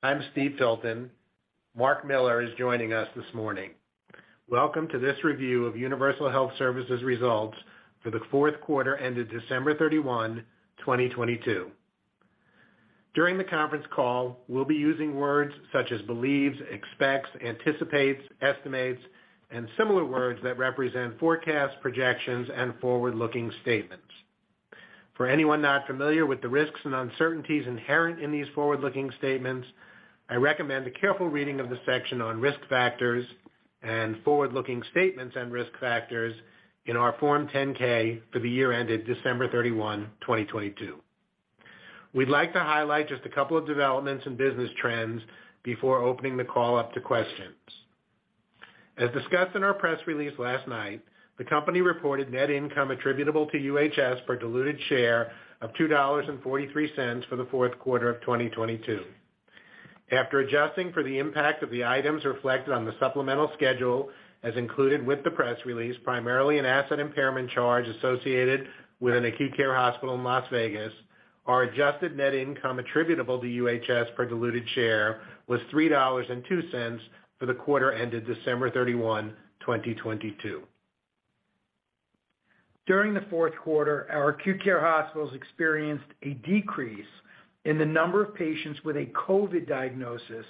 I'm Steve Filton. Marc Miller is joining us this morning. Welcome to this review of Universal Health Services results for the fourth quarter ended December 31, 2022. During the conference call, we'll be using words such as believes, expects, anticipates, estimates, and similar words that represent forecasts, projections and forward-looking statements. For anyone not familiar with the risks and uncertainties inherent in these forward-looking statements, I recommend a careful reading of the section on risk factors and forward-looking statements and risk factors in our Form 10-K for the year ended December 31, 2022. We'd like to highlight just a couple of developments and business trends before opening the call up to questions. As discussed in our press release last night, the company reported net income attributable to UHS for diluted share of $2.43 for the fourth quarter of 2022. After adjusting for the impact of the items reflected on the supplemental schedule, as included with the press release, primarily an asset impairment charge associated with an acute care hospital in Las Vegas, our adjusted net income attributable to UHS per diluted share was $3.02 for the quarter ended December 31, 2022. During the fourth quarter, our acute care hospitals experienced a decrease in the number of patients with a COVID diagnosis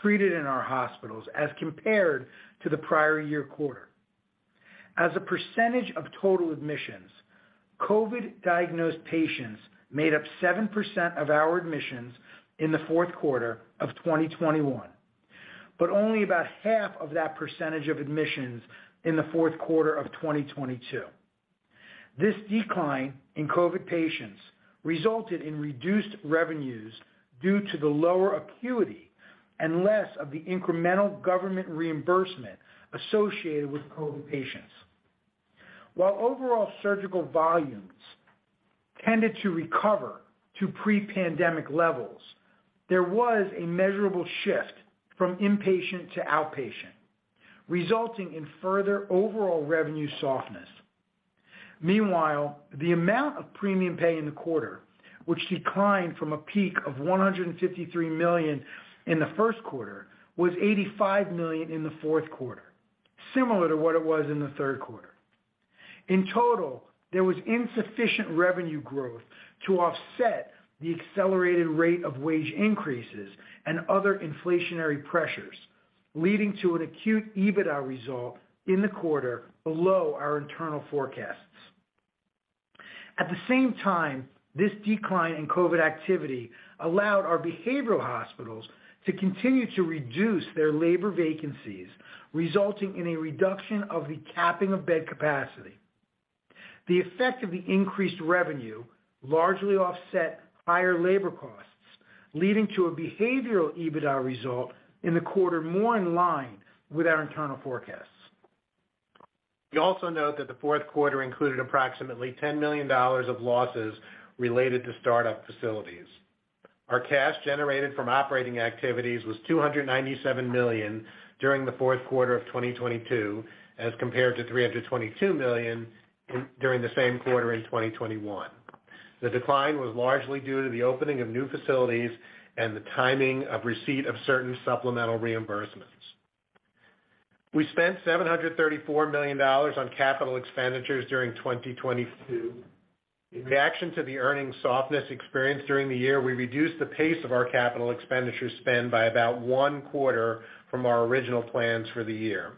treated in our hospitals as compared to the prior year quarter. As a percentage of total admissions, COVID-diagnosed patients made up 7% of our admissions in the fourth quarter of 2021, but only about half of that percentage of admissions in the fourth quarter of 2022. This decline in COVID patients resulted in reduced revenues due to the lower acuity and less of the incremental government reimbursement associated with COVID patients. While overall surgical volumes tended to recover to pre-pandemic levels, there was a measurable shift from inpatient to outpatient, resulting in further overall revenue softness. Meanwhile, the amount of premium pay in the quarter, which declined from a peak of $153 million in the first quarter, was $85 million in the fourth quarter, similar to what it was in the third quarter. In total, there was insufficient revenue growth to offset the accelerated rate of wage increases and other inflationary pressures, leading to an acute EBITDA result in the quarter below our internal forecasts. At the same time, this decline in COVID activity allowed our behavioral hospitals to continue to reduce their labor vacancies, resulting in a reduction of the capping of bed capacity. The effect of the increased revenue largely offset higher labor costs, leading to a behavioral EBITDA result in the quarter more in line with our internal forecasts. We also note that the fourth quarter included approximately $10 million of losses related to start-up facilities. Our cash generated from operating activities was $297 million during the fourth quarter of 2022, as compared to $322 million during the same quarter in 2021. The decline was largely due to the opening of new facilities and the timing of receipt of certain supplemental reimbursements. We spent $734 million on capital expenditures during 2022. In reaction to the earnings softness experienced during the year, we reduced the pace of our capital expenditure spend by about one quarter from our original plans for the year.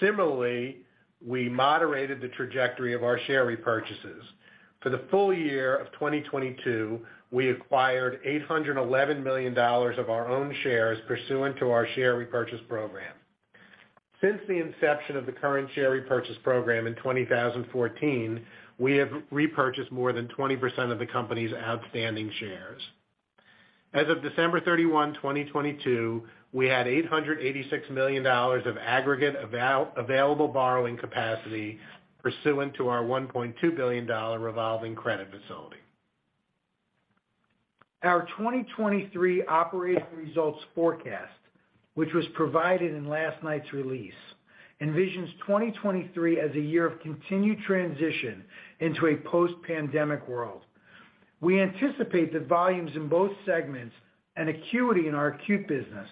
Similarly, we moderated the trajectory of our share repurchases. For the full year of 2022, we acquired $811 million of our own shares pursuant to our share repurchase program. Since the inception of the current share repurchase program in 2014, we have repurchased more than 20% of the company's outstanding shares. As of December 31, 2022, we had $886 million of aggregate available borrowing capacity pursuant to our $1.2 billion revolving credit facility. Our 2023 operating results forecast, which was provided in last night's release, envisions 2023 as a year of continued transition into a post-pandemic world. We anticipate that volumes in both segments and acuity in our acute business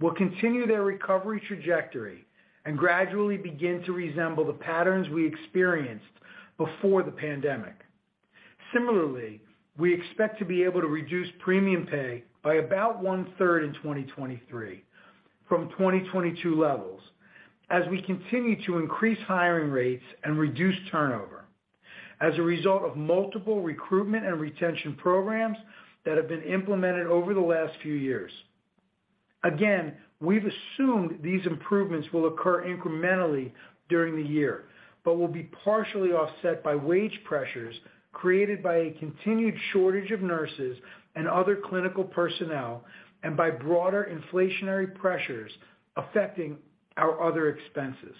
will continue their recovery trajectory and gradually begin to resemble the patterns we experienced before the pandemic. Similarly, we expect to be able to reduce premium pay by about 1/3 in 2023 from 2022 levels as we continue to increase hiring rates and reduce turnover as a result of multiple recruitment and retention programs that have been implemented over the last few years. Again, we've assumed these improvements will occur incrementally during the year, but will be partially offset by wage pressures created by a continued shortage of nurses and other clinical personnel, and by broader inflationary pressures affecting our other expenses.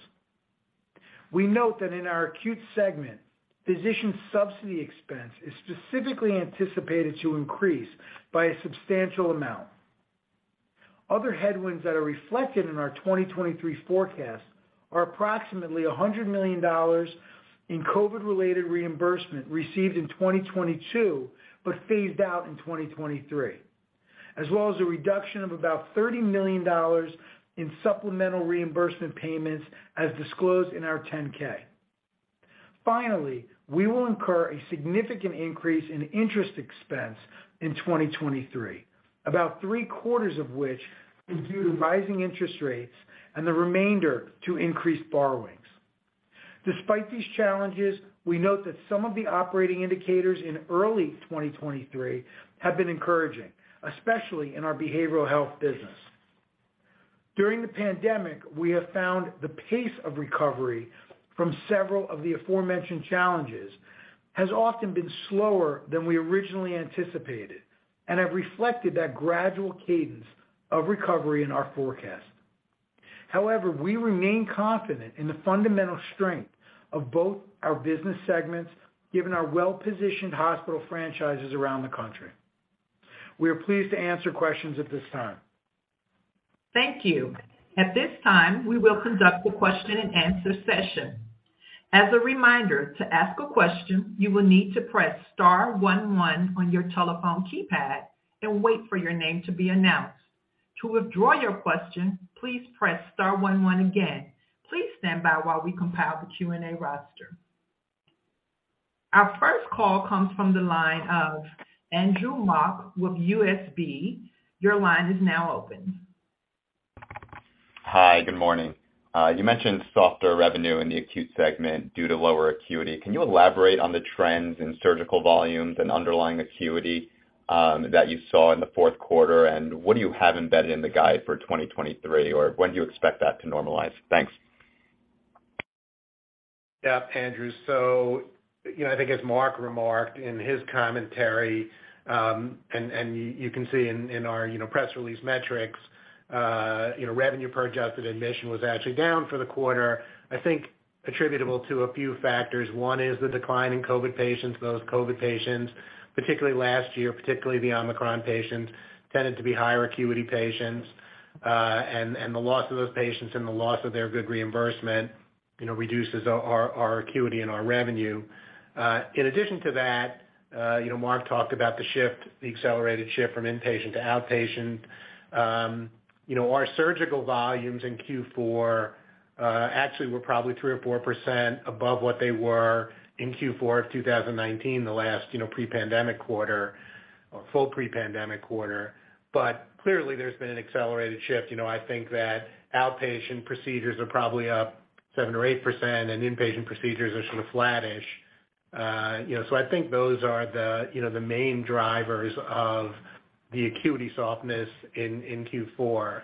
We note that in our acute segment, physician subsidy expense is specifically anticipated to increase by a substantial amount. Other headwinds that are reflected in our 2023 forecast are approximately $100 million in COVID-related reimbursement received in 2022, but phased out in 2023, as well as a reduction of about $30 million in supplemental reimbursement payments as disclosed in our 10-K. We will incur a significant increase in interest expense in 2023, about three-quarters of which is due to rising interest rates and the remainder to increased borrowings. Despite these challenges, we note that some of the operating indicators in early 2023 have been encouraging, especially in our behavioral health business. During the pandemic, we have found the pace of recovery from several of the aforementioned challenges has often been slower than we originally anticipated and have reflected that gradual cadence of recovery in our forecast. We remain confident in the fundamental strength of both our business segments given our well-positioned hospital franchises around the country. We are pleased to answer questions at this time. Thank you. At this time, we will conduct the question-and-answer session. As a reminder, to ask a question, you will need to press star one one on your telephone keypad and wait for your name to be announced. To withdraw your question, please press star one one again. Please stand by while we compile the Q&A roster. Our first call comes from the line of Andrew Mok with UBS. Your line is now open. Hi. Good morning. You mentioned softer revenue in the acute segment due to lower acuity. Can you elaborate on the trends in surgical volumes and underlying acuity that you saw in the fourth quarter? What do you have embedded in the guide for 2023? When do you expect that to normalize? Thanks. Yeah, Andrew. I think as Marc Miller remarked in his commentary, and you can see in our press release metrics, revenue per adjusted admission was actually down for the quarter, I think attributable to a few factors. One is the decline in COVID patients. Those COVID patients, particularly last year, particularly the Omicron patients, tended to be higher acuity patients, and the loss of those patients and the loss of their good reimbursement, you know, reduces our acuity and our revenue. In addition to that, you know, Marc Miller talked about the shift, the accelerated shift from inpatient to outpatient. Our surgical volumes in Q4 actually were probably 3% or 4% above what they were in Q4 of 2019, the last, you know, pre-pandemic quarter or full pre-pandemic quarter. Clearly, there's been an accelerated shift. You know, I think that outpatient procedures are probably up 7% or 8%, and inpatient procedures are sort of flattish. You know, so I think those are the, you know, the main drivers of the acuity softness in Q4.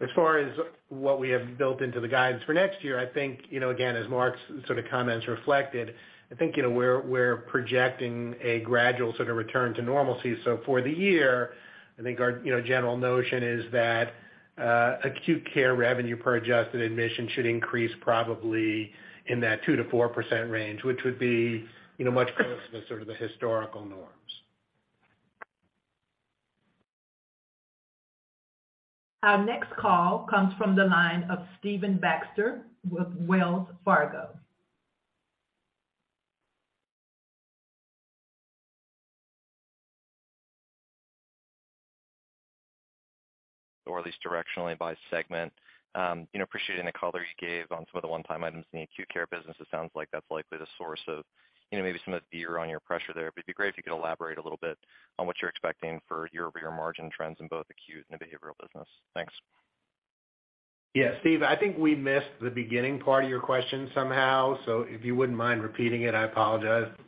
As far as what we have built into the guidance for next year, I think, you know, again, as Marc's sort of comments reflected, I think, you know, we're projecting a gradual sort of return to normalcy. For the year, I think our, you know, general notion is that acute care revenue per adjusted admission should increase probably in that 2%-4% range, which would be, you know, much closer to sort of the historical norms. Our next call comes from the line of Stephen Baxter with Wells Fargo. At least directionally by segment. You know, appreciating the color you gave on some of the one-time items in the acute care business, it sounds like that's likely the source of, you know, maybe some of the year-on-year pressure there. It'd be great if you could elaborate a little bit on what you're expecting for year-over-year margin trends in both acute and the behavioral business. Thanks. Yeah, Steve, I think we missed the beginning part of your question somehow. If you wouldn't mind repeating it, I apologize. Yeah,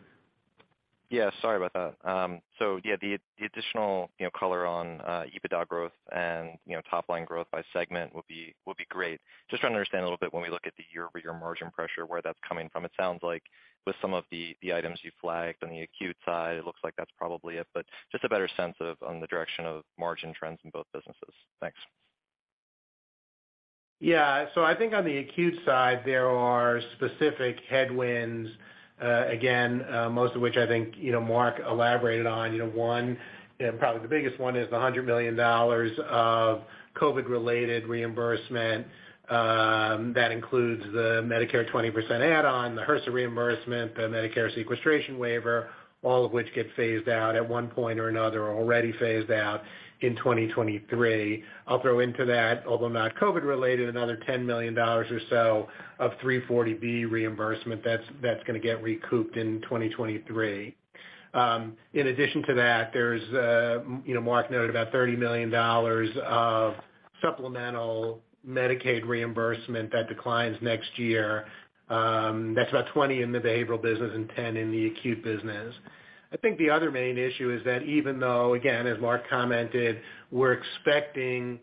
sorry about that. Yeah, the additional, you know, color on EBITDA growth and, you know, top-line growth by segment would be great. Just to understand a little bit when we look at the year-over-year margin pressure, where that's coming from. It sounds like with some of the items you flagged on the acute side, it looks like that's probably it. But just a better sense of on the direction of margin trends in both businesses. Thanks. I think on the acute side, there are specific headwinds, again, most of which I think, you know, Marc elaborated on. You know, one, probably the biggest one is the $100 million of COVID-related reimbursement that includes the Medicare 20% add-on, the HRSA reimbursement, the Medicare sequestration waiver, all of which get phased out at one point or another, or already phased out in 2023. I'll throw into that, although not COVID-related, another $10 million or so of 340B reimbursement that's gonna get recouped in 2023. In addition to that, there's, you know, Marc noted about $30 million of supplemental Medicaid reimbursement that declines next year. That's about 20 in the behavioral business and 10 in the acute business. I think the other main issue is that even though, again, as Marc Miller commented, we're expecting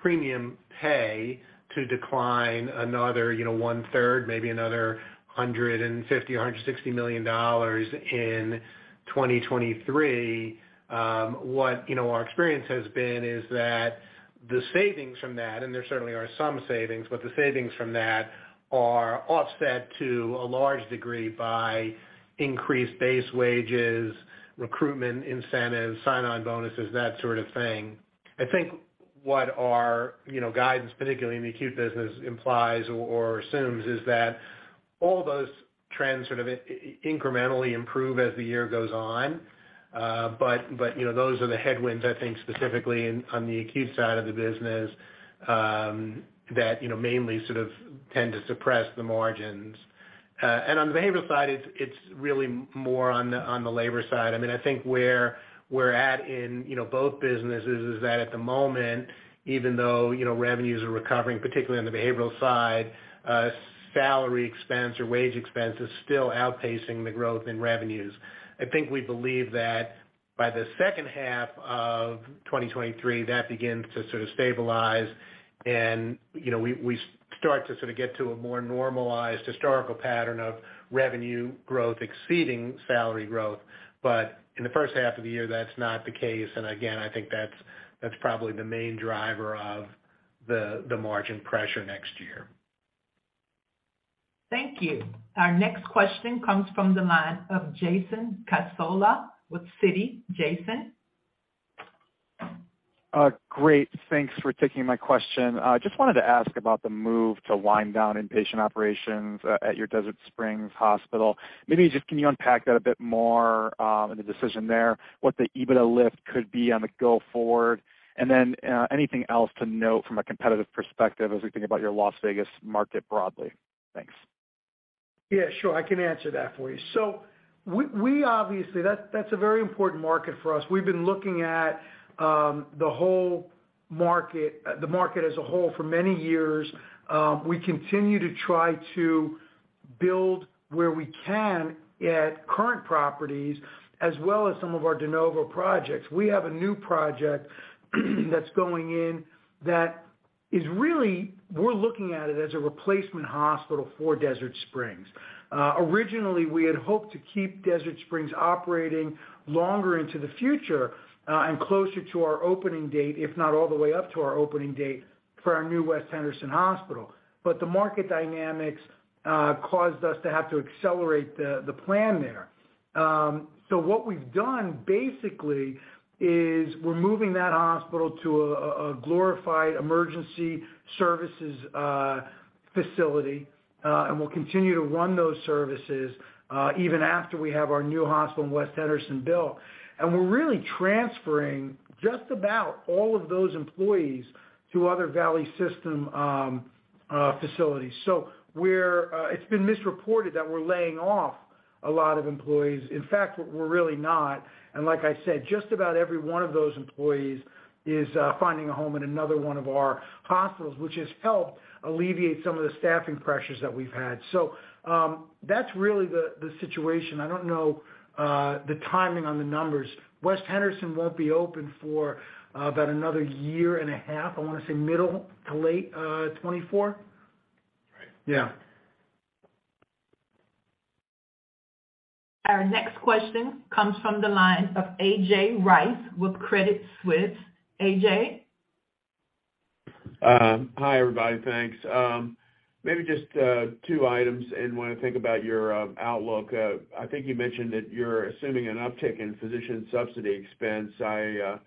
premium pay to decline another, you know, 1/3, maybe another $150 million-$160 million in 2023. What, you know, our experience has been is that The savings from that, and there certainly are some savings, but the savings from that are offset to a large degree by increased base wages, recruitment incentives, sign-on bonuses, that sort of thing. I think what our, you know, guidance, particularly in the acute business, implies or assumes is that all those trends sort of incrementally improve as the year goes on. You know, those are the headwinds, I think specifically in, on the acute side of the business, that, you know, mainly sort of tend to suppress the margins. On the behavioral side, it's really more on the, on the labor side. I mean, I think where we're at in, you know, both businesses is that at the moment, even though, you know, revenues are recovering, particularly on the behavioral side, salary expense or wage expense is still outpacing the growth in revenues. I think we believe that by the second half of 2023, that begins to sort of stabilize and, you know, we start to sort of get to a more normalized historical pattern of revenue growth exceeding salary growth. In the first half of the year, that's not the case. Again, I think that's probably the main driver of the margin pressure next year. Thank you. Our next question comes from the line of Jason Cassorla with Citi. Jason? Great. Thanks for taking my question. Just wanted to ask about the move to wind down inpatient operations at your Desert Springs Hospital. Maybe just can you unpack that a bit more, and the decision there, what the EBITDA lift could be on the go forward? Anything else to note from a competitive perspective as we think about your Las Vegas market broadly? Thanks. Yeah, sure. I can answer that for you. We obviously that's a very important market for us. We've been looking at the whole market, the market as a whole for many years. We continue to try to build where we can at current properties as well as some of our de novo projects. We have a new project that's going in that is really, we're looking at it as a replacement hospital for Desert Springs. Originally, we had hoped to keep Desert Springs operating longer into the future, and closer to our opening date, if not all the way up to our opening date for our new West Henderson Hospital. The market dynamics caused us to have to accelerate the plan there. What we've done basically is we're moving that hospital to a glorified emergency services facility, and we'll continue to run those services even after we have our new hospital in West Henderson built. We're really transferring just about all of those employees to other Valley System facilities. It's been misreported that we're laying off a lot of employees. In fact, we're really not. Like I said, just about every one of those employees is finding a home in another one of our hospitals, which has helped alleviate some of the staffing pressures that we've had. That's really the situation. I don't know the timing on the numbers. West Henderson won't be open for about another year and a half. I wanna say middle to late 2024. Right. Yeah. Our next question comes from the line of A.J. Rice with Credit Suisse. A.J.? Hi, everybody. Thanks. Maybe just two items and wanna think about your outlook. I think you mentioned that you're assuming an uptick in physician subsidy expense. I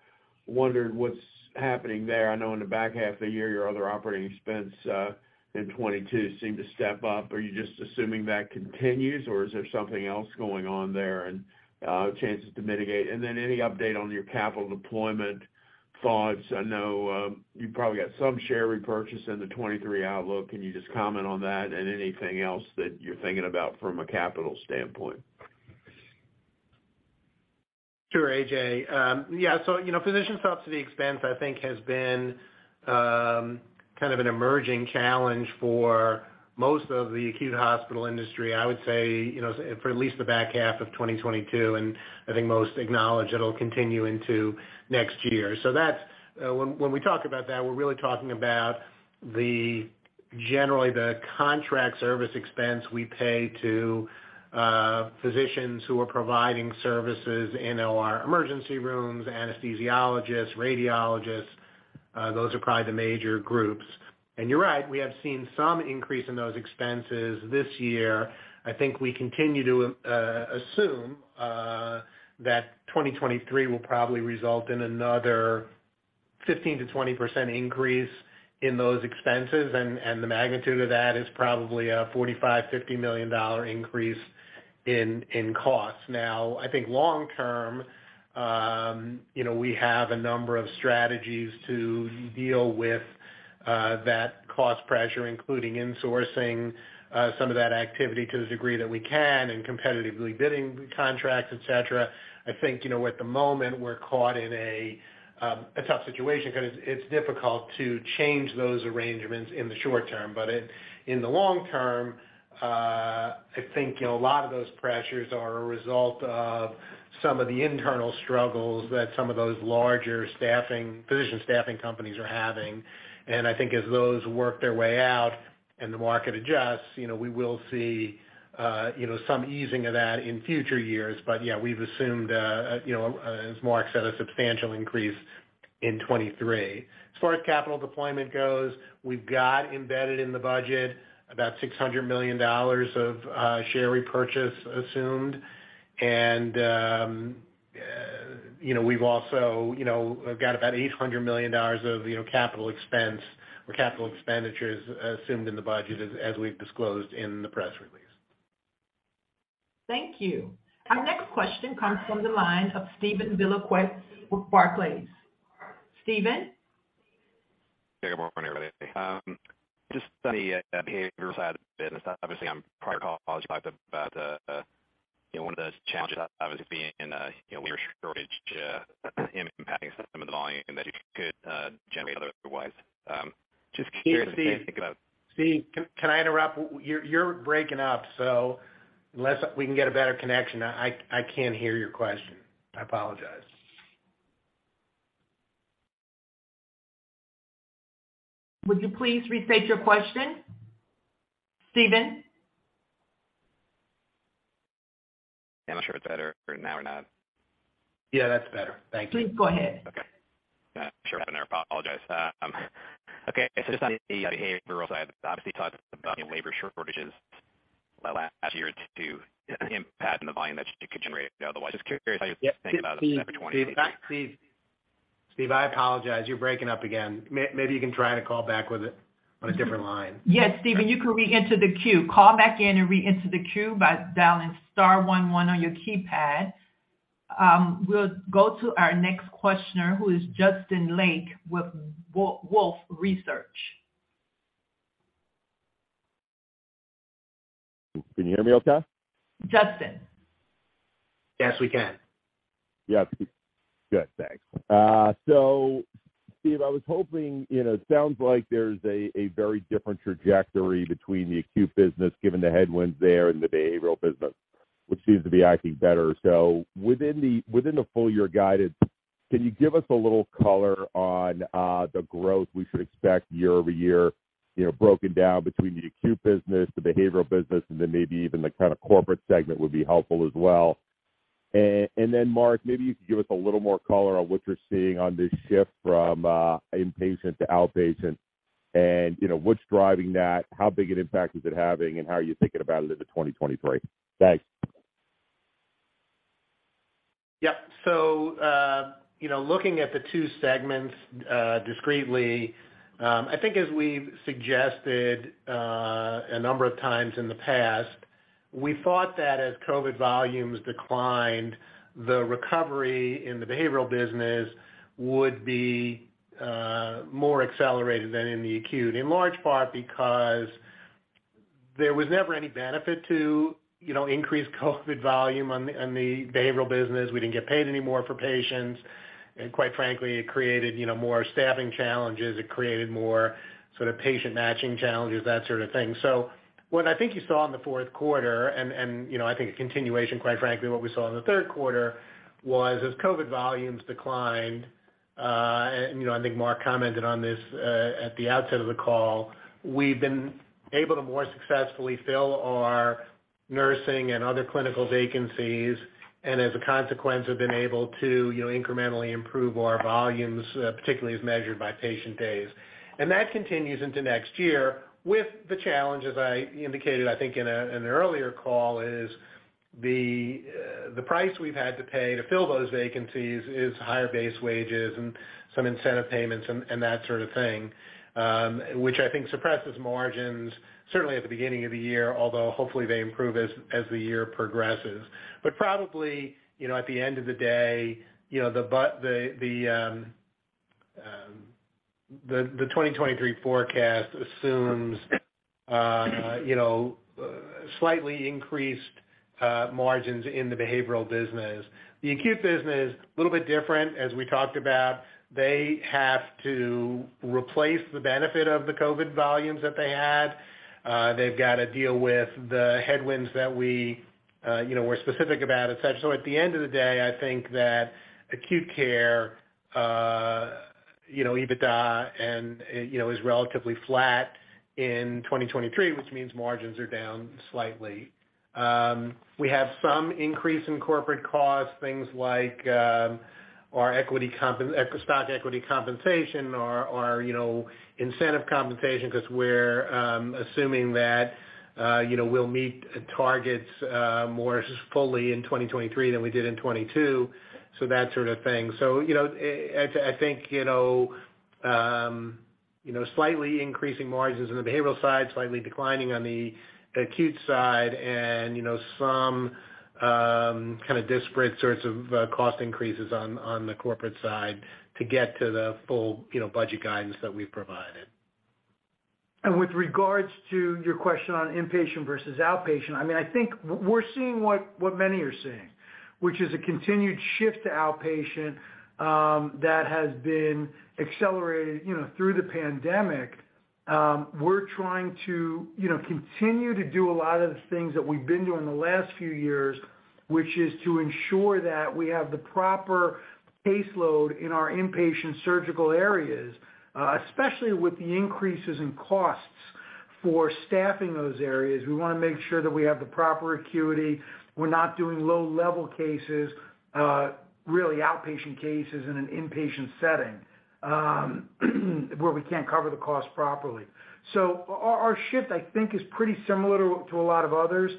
wondered what's happening there. I know in the back half of the year, your other operating expense in 2022 seemed to step up. Are you just assuming that continues, or is there something else going on there and chances to mitigate? Then any update on your capital deployment thoughts? I know, you've probably got some share repurchase in the 2023 outlook. Can you just comment on that and anything else that you're thinking about from a capital standpoint? Sure, A.J. Yeah. You know, physician subsidy expense, I think has been kind of an emerging challenge for most of the acute hospital industry, I would say, you know, for at least the back half of 2022, and I think most acknowledge it'll continue into next year. That's when we talk about that, we're really talking about the generally the contract service expense we pay to physicians who are providing services in our emergency rooms, anesthesiologists, radiologists, those are probably the major groups. You're right, we have seen some increase in those expenses this year. I think we continue to assume that 2023 will probably result in another 15%-20% increase in those expenses, and the magnitude of that is probably a $45 million-$50 million increase in costs. I think long term, you know, we have a number of strategies to deal with that cost pressure, including insourcing some of that activity to the degree that we can and competitively bidding contracts, et cetera. I think, you know, at the moment, we're caught in a tough situation because it's difficult to change those arrangements in the short term. In the long term, I think, you know, a lot of those pressures are a result of some of the internal struggles that some of those larger physician staffing companies are having. I think as those work their way out and the market adjusts, you know, we will see, you know, some easing of that in future years. Yeah, we've assumed, you know, as Marc said, a substantial increase in 2023. As far as capital deployment goes, we've got embedded in the budget about $600 million of share repurchase assumed. You know, we've also, you know, got about $800 million of, you know, capital expense or capital expenditures assumed in the budget as we've disclosed in the press release. Thank you. Our next question comes from the line of Steven Valiquette with Barclays. Steven? Yeah. Good morning, everybody. Just on the behavioral side of the business, obviously, on the prior call you talked about the, you know, one of the challenges obviously being, you know, labor shortage, impacting some of the volume that you could generate otherwise. Just curious- Steve, can I interrupt? You're breaking up, so unless we can get a better connection, I can't hear your question. I apologize. Would you please restate your question? Steven? Yeah. I'm not sure if it's better now or not. Yeah, that's better. Thank you. Please go ahead. Okay. Sure. I apologize. Okay. Just on the behavioral side, obviously you talked about labor shortages last year to impact on the volume that you could generate otherwise. Just curious how you think about it going into 2023. Steve, I apologize. You're breaking up again. Maybe you can try to call back on a different line. Yes, Steven, you can reenter the queue. Call back in and reenter the queue by dialing star one one on your keypad. We'll go to our next questioner, who is Justin Lake with Wolfe Research. Can you hear me okay? Justin? Yes, we can. Yep. Good. Thanks. Steve, I was hoping, you know, it sounds like there's a very different trajectory between the acute business, given the headwinds there and the behavioral business, which seems to be acting better. Within the full year guidance, can you give us a little color on the growth we should expect year-over-year, you know, broken down between the acute business, the behavioral business, and then maybe even the kind of corporate segment would be helpful as well. Marc, maybe you could give us a little more color on what you're seeing on this shift from inpatient to outpatient and, you know, what's driving that, how big an impact is it having, and how are you thinking about it into 2023? Thanks. Yeah. You know, looking at the two segments, discreetly, I think as we've suggested, a number of times in the past, we thought that as COVID volumes declined, the recovery in the behavioral business would be more accelerated than in the acute, in large part because there was never any benefit to, you know, increase COVID volume on the, in the behavioral business. We didn't get paid any more for patients, and quite frankly, it created, you know, more staffing challenges. It created more sort of patient matching challenges, that sort of thing. What I think you saw in the fourth quarter, and, you know, I think a continuation, quite frankly, what we saw in the third quarter was as COVID volumes declined, and, you know, I think Marc commented on this, at the outset of the call, we've been able to more successfully fill our nursing and other clinical vacancies. As a consequence, have been able to, you know, incrementally improve our volumes, particularly as measured by patient days. That continues into next year with the challenge, as I indicated, I think in an earlier call, is the price we've had to pay to fill those vacancies is higher base wages and some incentive payments and that sort of thing, which I think suppresses margins certainly at the beginning of the year, although hopefully they improve as the year progresses. Probably, you know, at the end of the day, you know, the 2023 forecast assumes, you know, slightly increased margins in the behavioral business. The acute business, a little bit different, as we talked about. They have to replace the benefit of the COVID volumes that they had. They've got to deal with the headwinds that we, you know, we're specific about, et cetera. At the end of the day, I think that acute care, you know, EBITDA and, you know, is relatively flat in 2023, which means margins are down slightly. We have some increase in corporate costs, things like stock equity compensation or, you know, incentive compensation 'cause we're assuming that, you know, we'll meet targets more fully in 2023 than we did in 2022. That sort of thing. You know, I think, you know, slightly increasing margins on the behavioral side, slightly declining on the acute side and, you know, some kind of disparate sorts of cost increases on the corporate side to get to the full, you know, budget guidance that we've provided. With regards to your question on inpatient versus outpatient, I mean, I think we're seeing what many are seeing, which is a continued shift to outpatient that has been accelerated, you know, through the pandemic. We're trying to, you know, continue to do a lot of the things that we've been doing the last few years, which is to ensure that we have the proper caseload in our inpatient surgical areas, especially with the increases in costs. For staffing those areas, we wanna make sure that we have the proper acuity. We're not doing low level cases, really outpatient cases in an inpatient setting, where we can't cover the cost properly. Our shift, I think, is pretty similar to a lot of others.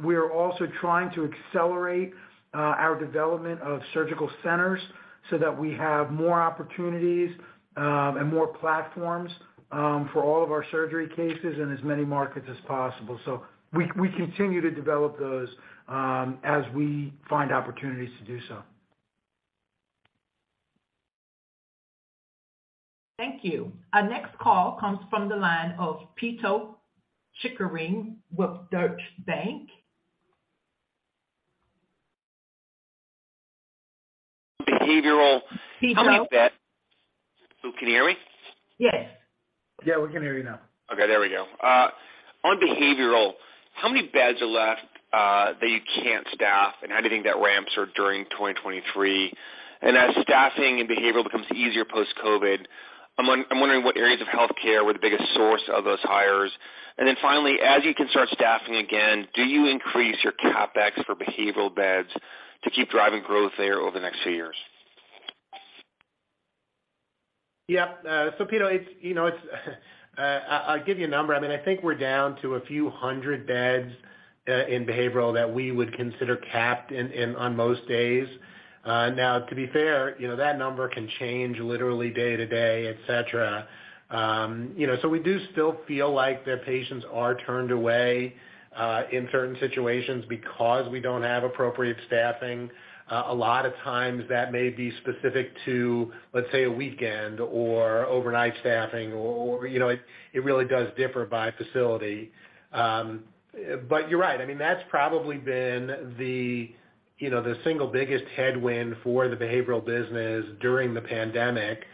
We're also trying to accelerate our development of surgical centers so that we have more opportunities, and more platforms, for all of our surgery cases in as many markets as possible. We continue to develop those, as we find opportunities to do so. Thank you. Our next call comes from the line of Pito Chickering with Deutsche Bank. Behavioral- Pito. How many Can you hear me? Yes. Yeah, we can hear you now. Okay. There we go. On behavioral, how many beds are left that you can't staff, how do you think that ramps during 2023? As staffing and behavioral becomes easier post-COVID, I'm wondering what areas of healthcare were the biggest source of those hires. Finally, as you can start staffing again, do you increase your CapEx for behavioral beds to keep driving growth there over the next few years? Yeah. Pito, it's, you know, it's I'll give you a number. I mean, I think we're down to a few hundred beds in behavioral that we would consider capped on most days. Now to be fair, you know, that number can change literally day to day, et cetera. You know, we do still feel like that patients are turned away in certain situations because we don't have appropriate staffing. A lot of times that may be specific to, let's say, a weekend or overnight staffing or, you know, it really does differ by facility. You're right. I mean, that's probably been the, you know, the single biggest headwind for the behavioral business during the pandemic,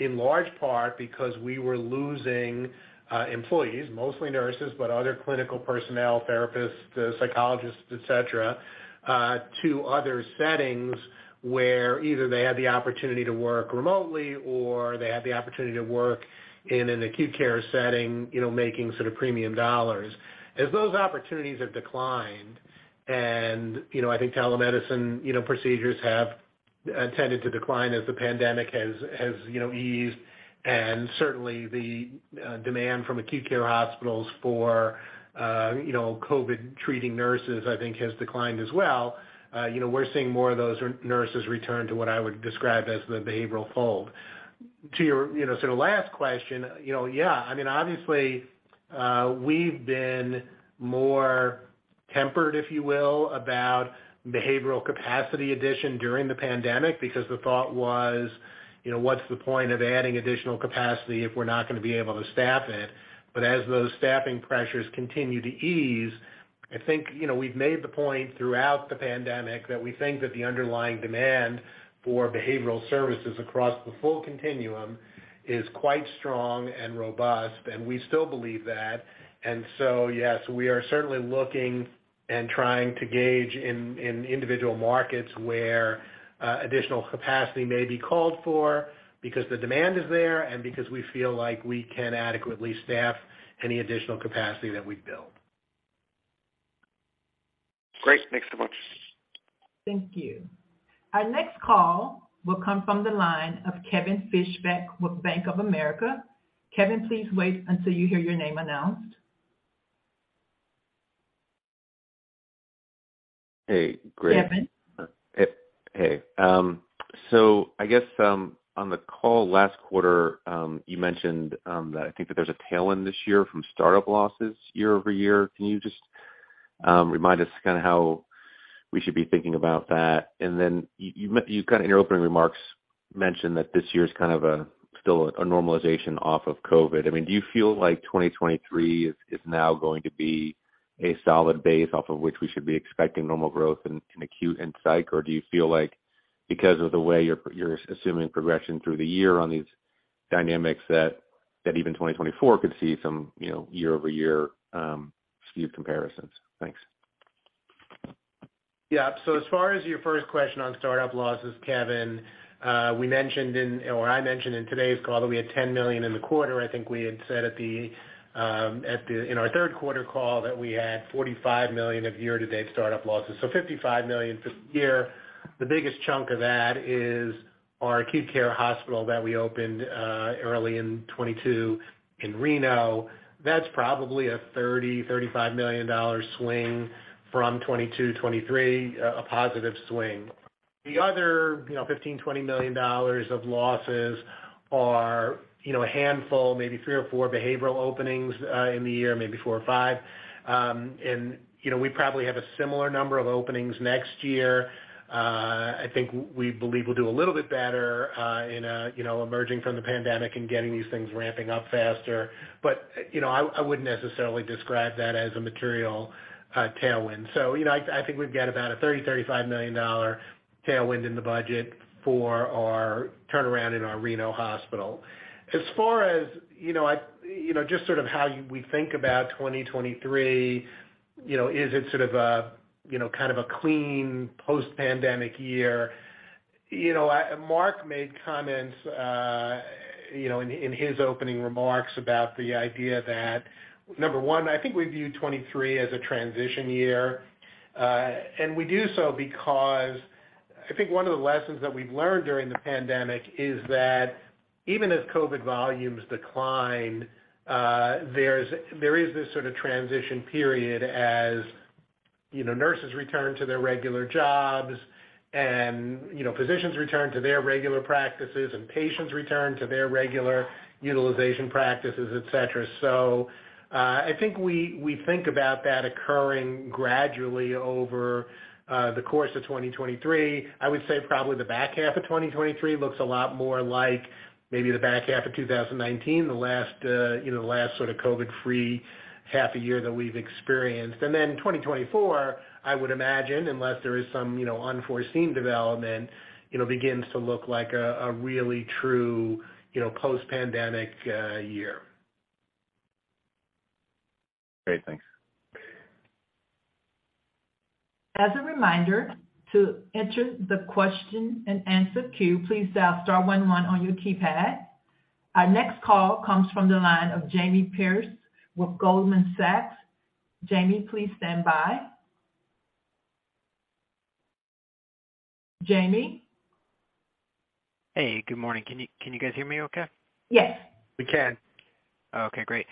in large part because we were losing, employees, mostly nurses, but other clinical personnel, therapists, psychologists, et cetera, to other settings where either they had the opportunity to work remotely or they had the opportunity to work in an acute care setting, you know, making sort of premium dollars. As those opportunities have declined and, you know, I think telemedicine, you know, procedures have tended to decline as the pandemic has, you know, eased, and certainly the demand from acute care hospitals for, you know, COVID treating nurses, I think has declined as well. You know, we're seeing more of those nurses return to what I would describe as the behavioral fold. To your, you know, sort of last question, you know, yeah, I mean, obviously, we've been more tempered, if you will, about behavioral capacity addition during the pandemic because the thought was, you know, what's the point of adding additional capacity if we're not gonna be able to staff it? As those staffing pressures continue to ease, I think, you know, we've made the point throughout the pandemic that we think that the underlying demand for behavioral services across the full continuum is quite strong and robust, and we still believe that. Yes, we are certainly looking and trying to gauge in individual markets where additional capacity may be called for because the demand is there and because we feel like we can adequately staff any additional capacity that we build. Great. Thanks so much. Thank you. Our next call will come from the line of Kevin Fischbeck with Bank of America. Kevin, please wait until you hear your name announced. Hey, great. Kevin? Hey. I guess on the call last quarter, you mentioned that I think that there's a tailwind this year from startup losses year-over-year. Can you just remind us kinda how we should be thinking about that? Then you kind of in your opening remarks mentioned that this year is kind of a, still a normalization off of COVID. I mean, do you feel like 2023 is now going to be a solid base off of which we should be expecting normal growth in acute and psych? Do you feel like because of the way you're assuming progression through the year on these dynamics that even 2024 could see some, you know, year-over-year, skewed comparisons? Thanks. Yeah. As far as your first question on startup losses, Kevin, we mentioned in or I mentioned in today's call that we had $10 million in the quarter. I think we had said in our third quarter call that we had $45 million of year-to-date startup losses. $55 million for the year. The biggest chunk of that is our acute care hospital that we opened early in 2022 in Reno. That's probably a $30 million-$35 million swing from 2022 to 2023, a positive swing. The other, you know, $15 million-$20 million of losses are, you know, a handful, maybe three or four behavioral openings in the year, maybe four or five. You know, we probably have a similar number of openings next year. I think we believe we'll do a little bit better, in, you know, emerging from the pandemic and getting these things ramping up faster. You know, I wouldn't necessarily describe that as a material tailwind. You know, I think we've got about a $30 million-$35 million tailwind in the budget for our turnaround in our Reno hospital. As far as, you know, just sort of how we think about 2023, you know, is it sort of a, you know, kind of a clean post-pandemic year? Marc Miller made comments, you know, in his opening remarks about the idea that, number one, I think we view 2023 as a transition year. We do so because I think one of the lessons that we've learned during the pandemic is that even as COVID volumes decline, there is this sort of transition period as, you know, nurses return to their regular jobs and, you know, physicians return to their regular practices, and patients return to their regular utilization practices, et cetera. I think we think about that occurring gradually over the course of 2023. I would say probably the back half of 2023 looks a lot more like maybe the back half of 2019, the last, you know, the last sort of COVID-free half a year that we've experienced. 2024, I would imagine, unless there is some, you know, unforeseen development, you know, begins to look like a really true, you know, post-pandemic year. Great. Thanks. As a reminder, to enter the question-and-answer queue, please dial star one one on your keypad. Our next call comes from the line of Jamie Perse with Goldman Sachs. Jamie, please stand by. Jamie? Hey, good morning. Can you guys hear me okay? Yes. We can. Okay, great.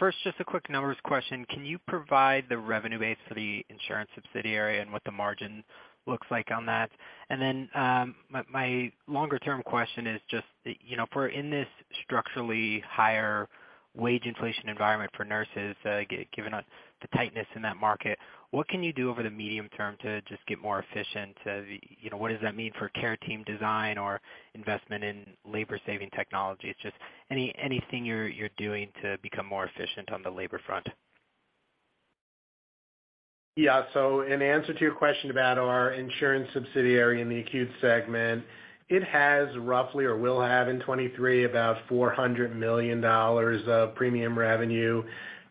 First, just a quick numbers question. Can you provide the revenue base for the insurance subsidiary and what the margin looks like on that? My, my longer-term question is just, you know, if we're in this structurally higher wage inflation environment for nurses, given the tightness in that market, what can you do over the medium term to just get more efficient? You know, what does that mean for care team design or investment in labor-saving technology? Just anything you're doing to become more efficient on the labor front. In answer to your question about our insurance subsidiary in the acute segment, it has roughly, or will have in 2023, about $400 million of premium revenue.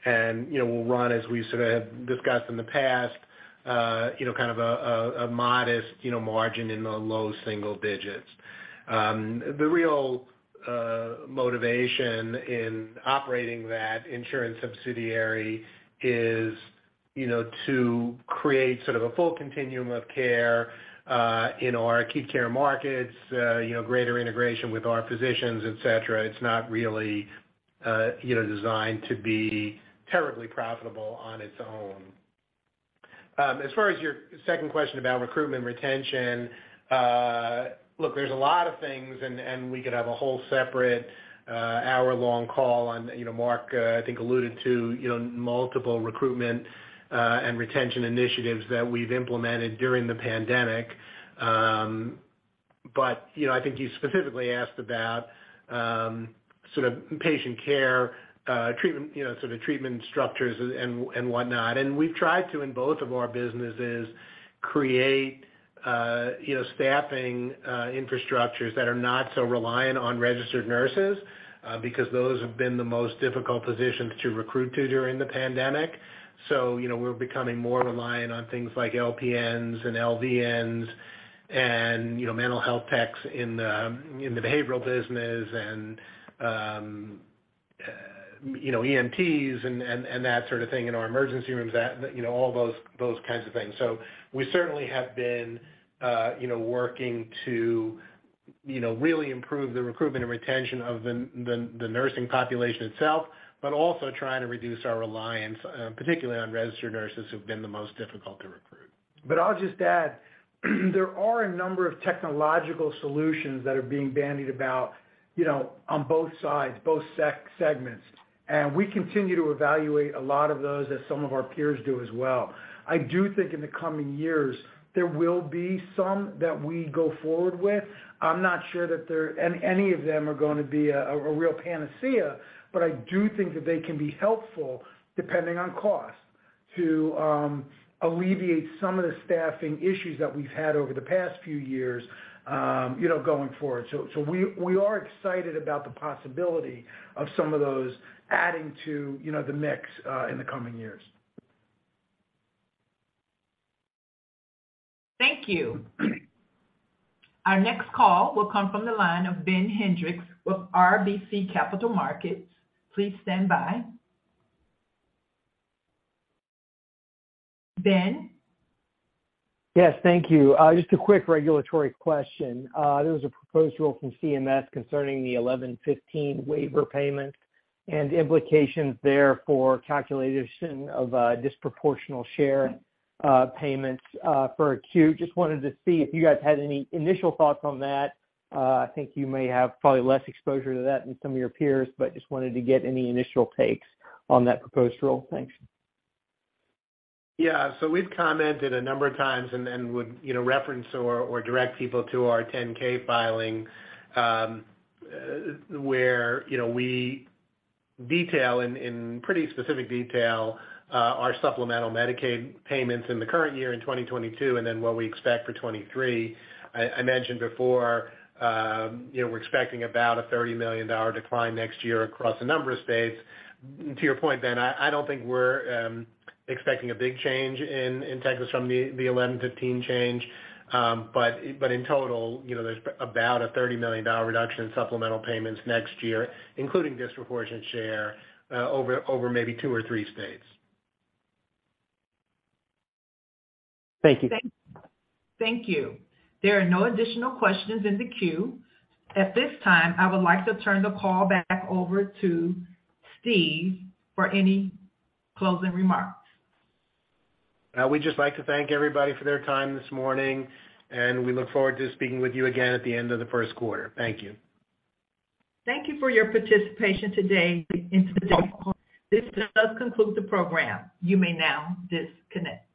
You know, we'll run, as we sort of have discussed in the past, you know, kind of a modest, you know, margin in the low single digits. The real motivation in operating that insurance subsidiary is, you know, to create sort of a full continuum of care in our acute care markets, you know, greater integration with our physicians, et cetera. It's not really, you know, designed to be terribly profitable on its own. As far as your second question about recruitment retention, look, there's a lot of things, and we could have a whole separate hour-long call on... You know, Marc, I think alluded to, you know, multiple recruitment and retention initiatives that we've implemented during the pandemic. You know, I think you specifically asked about sort of patient care, treatment, you know, sort of treatment structures and whatnot. We've tried to, in both of our businesses, create, you know, staffing infrastructures that are not so reliant on registered nurses, because those have been the most difficult positions to recruit to during the pandemic. You know, we're becoming more reliant on things like LPNs and LVNs and, you know, mental health techs in the behavioral business and, you know, EMTs and that sort of thing in our emergency rooms, that, you know, all those kinds of things. We certainly have been, you know, working to, you know, really improve the recruitment and retention of the nursing population itself, but also trying to reduce our reliance, particularly on registered nurses who've been the most difficult to recruit. I'll just add, there are a number of technological solutions that are being bandied about, you know, on both sides, both segments. We continue to evaluate a lot of those as some of our peers do as well. I do think in the coming years, there will be some that we go forward with. I'm not sure that there any of them are gonna be a real panacea. I do think that they can be helpful, depending on cost, to alleviate some of the staffing issues that we've had over the past few years, you know, going forward. So we are excited about the possibility of some of those adding to, you know, the mix in the coming years. Thank you. Our next call will come from the line of Ben Hendrix with RBC Capital Markets. Please stand by. Ben? Yes, thank you. just a quick regulatory question. There was a proposal from CMS concerning the 1115 waiver payment and the implications there for calculation of Disproportionate Share payments for acute. Just wanted to see if you guys had any initial thoughts on that. I think you may have probably less exposure to that than some of your peers, but just wanted to get any initial takes on that proposed rule. Thanks. We've commented a number of times and would, you know, reference or direct people to our Form 10-K filing, where, you know, we detail in pretty specific detail our supplemental Medicaid payments in the current year in 2022 and then what we expect for 2023. I mentioned before, you know, we're expecting about a $30 million decline next year across a number of states. To your point, Ben, I don't think we're expecting a big change in Texas from the 1115 change. In total, you know, there's about a $30 million reduction in supplemental payments next year, including Disproportionate Share, over maybe two or three states. Thank you. Thank you. There are no additional questions in the queue. At this time, I would like to turn the call back over to Steve for any closing remarks. We'd just like to thank everybody for their time this morning, and we look forward to speaking with you again at the end of the first quarter. Thank you. Thank you for your participation today in today's call. This does conclude the program. You may now disconnect.